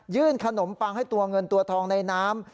ขนมปังให้ตัวเงินตัวทองในน้ำ